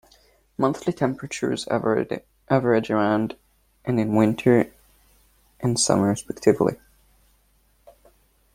Monthly temperatures average around and in winter and summer respectively.